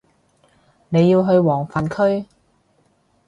你要去黃泛區